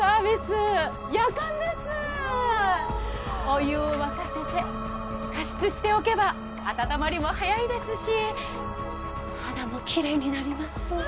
お湯を沸かせて加湿しておけば暖まりも早いですし肌もきれいになります。